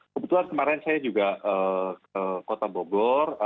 kebetulan kemarin saya juga ke kota bogor